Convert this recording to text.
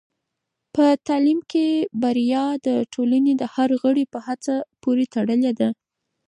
په تعلیم کې بریا د ټولنې د هر غړي په هڅه پورې تړلې ده.